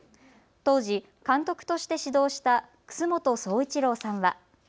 当時、監督として指導した楠本総一郎さんは。